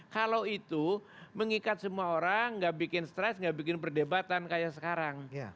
kalau itu mengikat semua orang gak bikin stress gak bikin perdebatan kayak sekarang